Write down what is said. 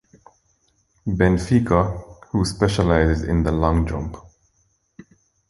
Benfica, who specialises in the long jump.